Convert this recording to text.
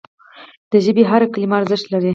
د ژبي هره کلمه ارزښت لري.